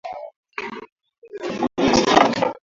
Epua viazilishe vyako baada ya dakika tano